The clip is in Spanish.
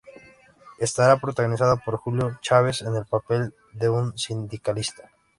Estará protagonizada por Julio Chávez, en el papel de un sindicalista.